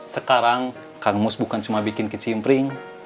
sekarang kang mus bukan cuma bikin kicimpring